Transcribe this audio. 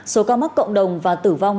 số ca mắc cộng đồng và tử vong